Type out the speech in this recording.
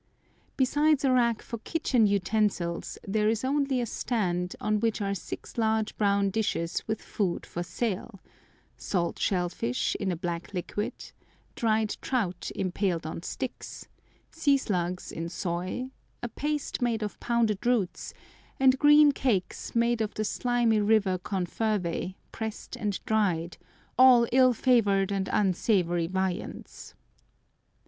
Besides a rack for kitchen utensils, there is only a stand on which are six large brown dishes with food for sale—salt shell fish, in a black liquid, dried trout impaled on sticks, sea slugs in soy, a paste made of pounded roots, and green cakes made of the slimy river confervæ, pressed and dried—all ill favoured and unsavoury viands.